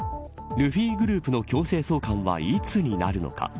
ルフィグループの強制送還はいつになるのか。